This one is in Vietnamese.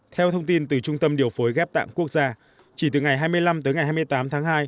theo thông tin từ trung tâm điều phối ghép tạng quốc gia chỉ từ ngày hai mươi năm tới ngày hai mươi tám tháng hai